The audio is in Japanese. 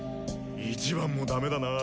１番もダメだな。